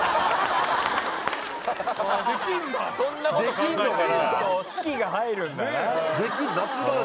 できんのかな？